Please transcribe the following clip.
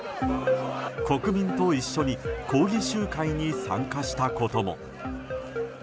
国民と一緒に抗議集会に参加したことも。